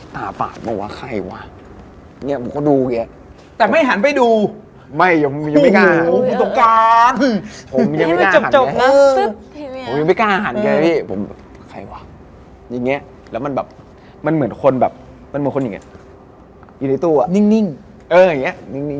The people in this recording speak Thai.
แต่ของผมเนี่ย